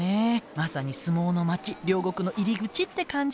まさに相撲の街両国の入り口って感じよね。